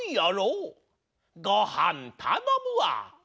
ごはんたのむわ。